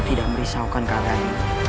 tidak merisaukan kalian